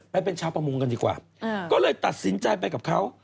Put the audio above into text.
ไปเป็นชาวประมงกันดีกว่าก็เลยตัดสินใจไปกับเขา